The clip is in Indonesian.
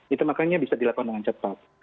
itu makanya bisa dilakukan dengan cepat